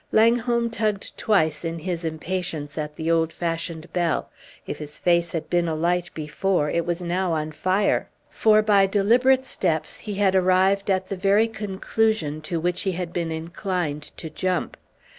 Langholm tugged twice in his impatience at the old fashioned bell. If his face had been alight before, it was now on fire, for by deliberate steps he had arrived at the very conclusion to which he had been inclined to jump.